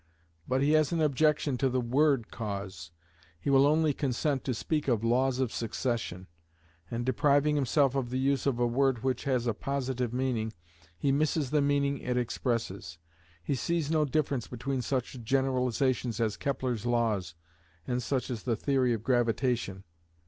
But he has an objection to the word cause; he will only consent to speak of Laws of Succession: and depriving himself of the use of a word which has a Positive meaning, he misses the meaning it expresses. He sees no difference between such generalizations as Kepler's laws, and such as the theory of gravitation.